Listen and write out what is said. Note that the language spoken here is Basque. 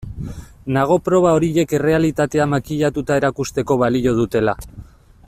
Nago proba horiek errealitatea makillatuta erakusteko balio dutela.